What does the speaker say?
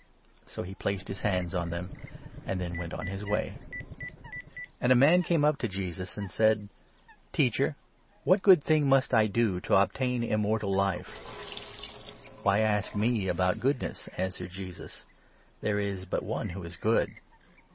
So he placed his hands on them, and then went on his way. 15 a man came up to Jesus, and said : 16 sponsibiiities " Teacher, what good thing must I do to obtain of wealth, i mmortal Life ?"" Why ask me about goodness?" answered Jesus. " There 17 is but One who is good.